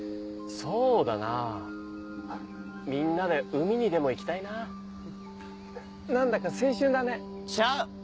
そうだなぁみんなで海にでも行きたいな何だか青春だねちゃう！